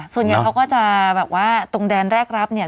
ส่วนใหญ่เขาก็จะแบบว่าตรงแดนแรกรับเนี่ย